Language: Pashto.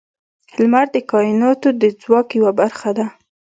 • لمر د کائنات د ځواک یوه برخه ده.